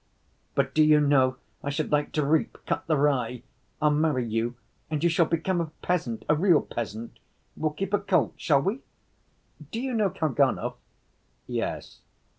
But do you know, I should like to reap, cut the rye? I'll marry you, and you shall become a peasant, a real peasant; we'll keep a colt, shall we? Do you know Kalganov?" "Yes."